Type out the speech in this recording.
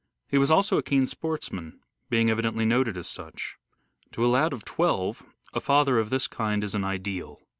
He was also a keen sportsman, being evidently noted as such. To a lad of twelve a father of this kind is an ideal.